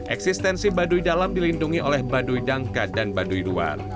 eksistensi baduy dalam dilindungi oleh baduy dangka dan baduy luar